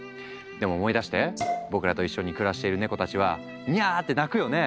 でも思い出して僕らと一緒に暮らしているネコたちは「にゃ」って鳴くよね？